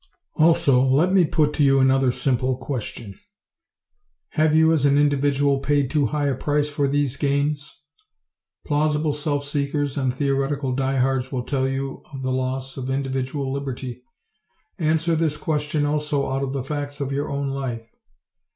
Also, let me put to you another simple question: Have you as an individual paid too high a price for these gains? Plausible self seekers and theoretical die hards will tell you of the loss of individual liberty. Answer this question also out of the facts of your own life.